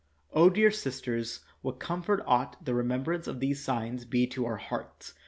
dear sisters, what comfort ought the remem brance of these signs to be to our hearts